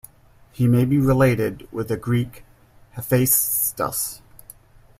He may be related with the Greek Hephaestus.